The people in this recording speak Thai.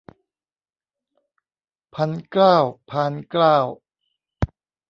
พันเกล้า พานเกล้า